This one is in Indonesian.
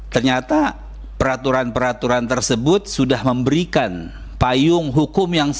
ternyata peraturan peraturan tersebut sudah memberikan payung hukum yang sama